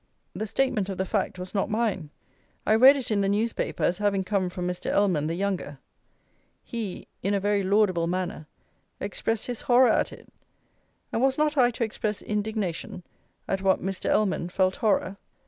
The statement of the fact was not mine; I read it in the newspaper as having come from Mr. Ellman the younger; he, in a very laudable manner, expressed his horror at it; and was not I to express indignation at what Mr. Ellman felt horror?